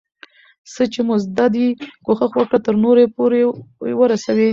څه چي مو زده دي، کوښښ وکړه ترنور پورئې ورسوې.